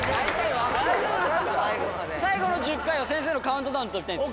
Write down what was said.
だから最後の１０回は先生のカウントダウンで跳びたいんです。